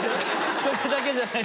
それだけじゃない。